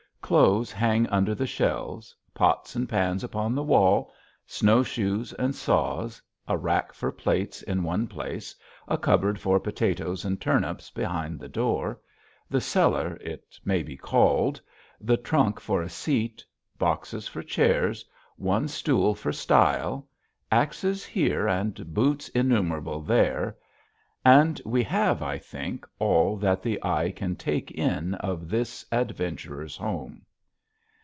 Clothes hang under the shelves; pots and pans upon the wall, snowshoes and saws; a rack for plates in one place, a cupboard for potatoes and turnips behind the door the cellar it may be called; the trunk for a seat, boxes for chairs, one stool for style; axes here and boots innumerable there, and we have, I think, all that the eye can take in of this adventurers' home!